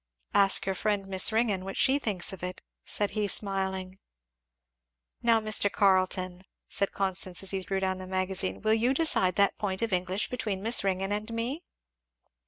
"Ask your friend Miss Ringgan what she thinks of it," said he smiling. "Now Mr. Carleton," said Constance as he threw down the magazine, "will you decide that point of English between Miss Ringgan and me?"